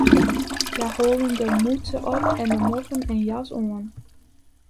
Hja holden de mûtse op en de moffen en jas oan.